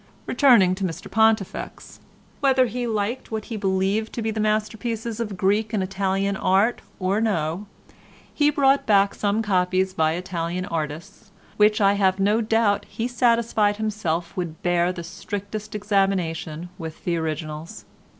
Returning to Mr Pontifex, whether he liked what he believed to be the masterpieces of Greek and Italian art or no he brought back some copies by Italian artists, which I have no doubt he satisfied himself would bear the strictest examination with the originals.